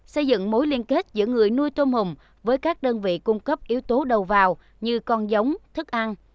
xây dựng mối liên kết giữa người nuôi tôm hùm với các đơn vị cung cấp yếu tố đầu vào như con giống thức ăn